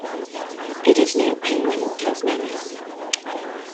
It is near Penguin, Tasmania.